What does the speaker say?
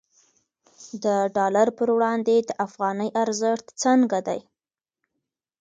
د ډالر پر وړاندې د افغانۍ ارزښت څنګه دی؟